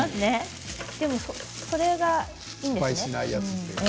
でもそれがいいんですね。